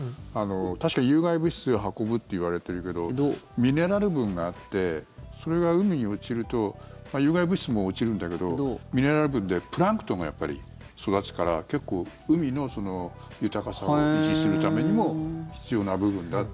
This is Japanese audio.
確かに有害物質を運ぶっていわれてるけどミネラル分があってそれが海に落ちると有害物質も落ちるんだけどミネラル分でプランクトンがやっぱり育つから結構、海の豊かさを維持するためにも必要な部分だと。